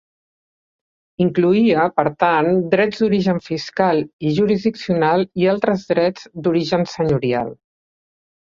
Incloïa, per tant, drets d'origen fiscal i jurisdiccional i altres drets d'origen senyorial.